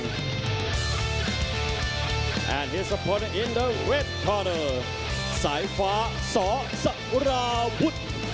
และที่สุดท้ายคือสายฟ้าสอสกุราวุฒิ